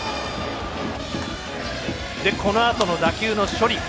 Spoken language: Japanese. このあとの打球の処理。